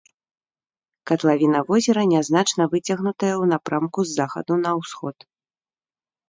Катлавіна возера нязначна выцягнутая ў напрамку з захаду на ўсход.